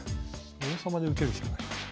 王様で受けるしかない。